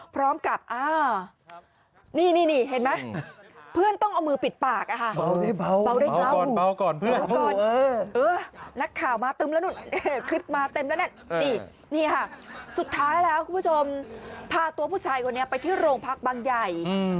พร้อมกับนี่